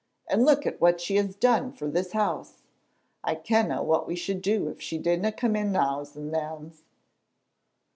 And look at what she has done for this house. I kenna what we should do if she didna come in nows and nans."